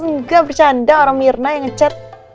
orang gak bercanda orang mirna yang ngecat